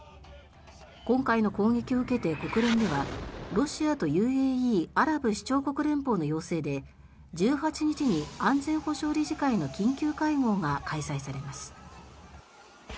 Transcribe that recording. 今回の攻撃を受けて国連ではロシアとＵＡＥ・アラブ首長国連邦の要請で１８日に安全保障理事会の緊急会合が開催されます。